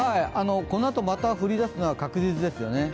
このあと、また降りだすのは確実ですよね。